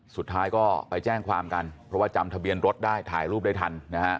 สุดท้ายก็ไปแจ้งความกันเพราะว่าจำทะเบียนรถได้ถ่ายรูปได้ทันนะฮะ